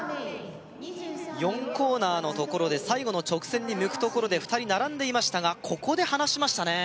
４コーナーのところで最後の直線に抜くところで２人並んでいましたがここで離しましたね